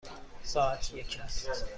ساعت یک است.